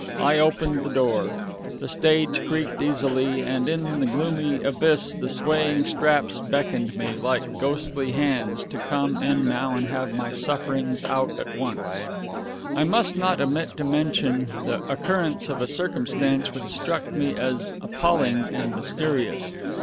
I opened the door; the stage creaked easily, and in the gloomy abyss the swaying straps beckoned me, like ghostly hands, to come in now and have my sufferings out at once. I must not omit to mention the occurrence of a circumstance which struck me as appalling and mysterious.